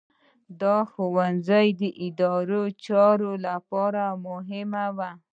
دا ښوونځي د اداري چارو لپاره مهم وو.